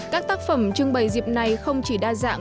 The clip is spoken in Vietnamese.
các tác phẩm trưng bày dịp này không chỉ đa dạng